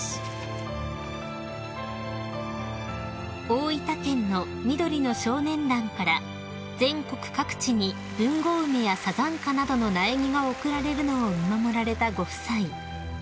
［大分県の緑の少年団から全国各地にブンゴウメやサザンカなどの苗木が贈られるのを見守られたご夫妻］